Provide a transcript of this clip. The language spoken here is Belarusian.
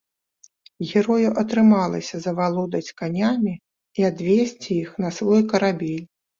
Герою атрымалася завалодаць канямі і адвесці іх на свой карабель.